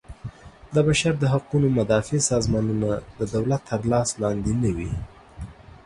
د بشر د حقوقو مدافع سازمانونه د دولت تر لاس لاندې نه وي.